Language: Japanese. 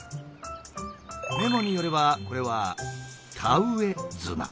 メモによればこれは「田植え綱」。